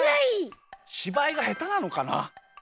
しばいがへたなのかな。